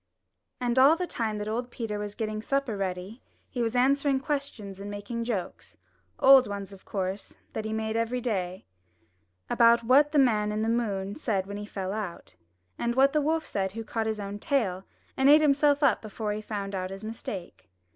And all the time that old Peter was getting supper ready he was answering questions and making jokes — old ones, of course, that he made every day — about what the Man in the Moon said when he fell out, and what the wolf said who caught his own tail and ate himself up before he found out his mistake.